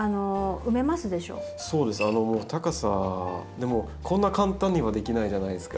でもこんな簡単にはできないじゃないですか。